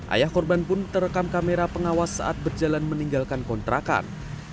ayah korban pun terekam kamera pengawas saat berjalan meninggalkan kontrakan